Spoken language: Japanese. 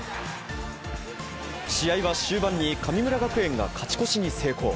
試合は終盤に神村学園が勝ち越しに成功。